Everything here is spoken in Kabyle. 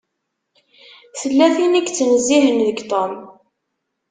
Tella tin i yettnezzihen deg Tom.